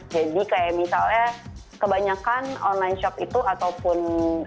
jadi kayak misalnya kebanyakan online shop itu ataupun